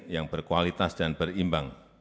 yang berkualitas dan berimbang